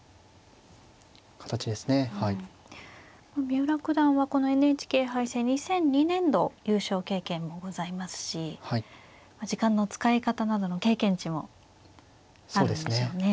三浦九段はこのＮＨＫ杯戦２００２年度優勝経験もございますし時間の使い方などの経験値もあるんでしょうね。